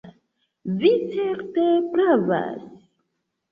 Vi certe pravas!